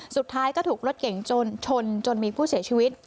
สุดท้ายก็ถูกรถเก่งชนจนมีผู้เสียชีวิต